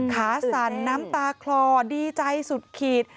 สั่นน้ำตาคลอดีใจสุดขีด